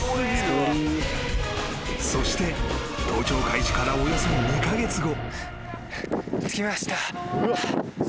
［そして登頂開始からおよそ２カ月後］